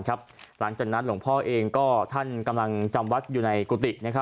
หลังจากนั้นหลวงพ่อเองก็ท่านกำลังจำวัดอยู่ในกุฏิ